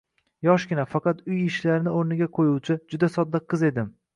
Yoshgina, faqat uy ishlarini o`rniga qo`yuvchi, juda sodda qiz edim